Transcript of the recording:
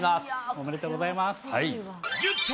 おめでとうございます。